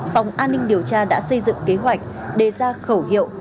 phòng an ninh điều tra đã xây dựng kế hoạch đề ra khẩu hiệu